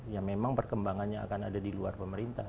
ya memang perkembangannya akan ada di luar pemerintah